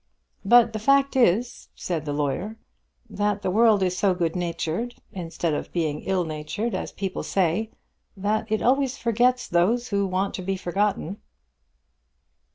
"But the fact is," said the lawyer, "that the world is so good natured, instead of being ill natured, as people say, that it always forgets those who want to be forgotten."